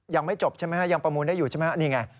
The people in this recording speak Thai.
ยังไม่จบใช่ไหมฮะยังประมูลได้อยู่ใช่ไหมนี่ไง